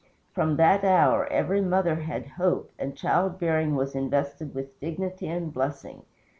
From that hour every mother had hope, and child bearing was invested with dignity and blessing.